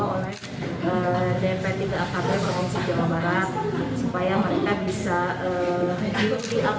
dmpt ke akb provinsi jawa barat